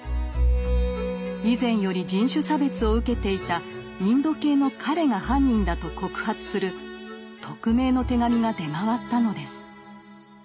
以前より人種差別を受けていたインド系の彼が犯人だと告発する匿名の手紙が出回ったのです。